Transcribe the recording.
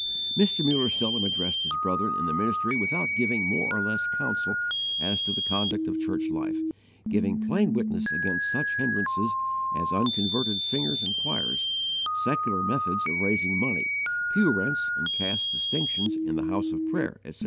Mr. Muller seldom addressed his brethren in the ministry without giving more or less counsel as to the conduct of church life, giving plain witness against such hindrances as unconverted singers and choirs, secular methods of raising money, pew rents and caste distinctions in the house of prayer, etc.